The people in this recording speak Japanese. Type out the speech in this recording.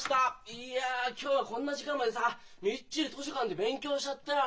いや今日はこんな時間までさあみっちり図書館で勉強しちゃったよ。